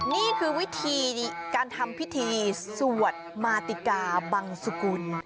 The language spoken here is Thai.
นี่คือวิธีการทำพิธีสวดมาติกาบังสุกุล